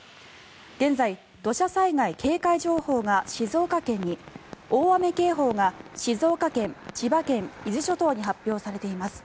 現在、土砂災害警戒情報が静岡県に大雨警報が静岡県、千葉県、伊豆諸島に発表されています。